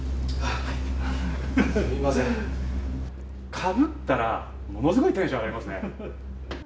かぶったら、ものすごいテンション上がりますね。